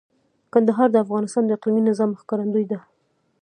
کندهار د افغانستان د اقلیمي نظام ښکارندوی ده.